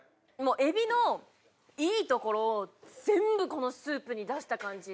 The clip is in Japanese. エビのいいところを全部このスープに出した感じ。